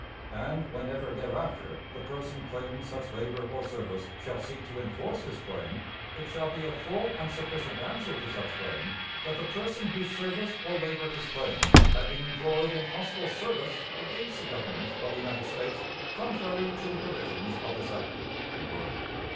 And, whenever thereafter the person claiming such labor or service shall seek to enforce his claim, it shall be a full and sufficient answer to such claim that the person whose service or labor is claimed had been employed in hostile service against the Government of the United States contrary to the provisions of this act."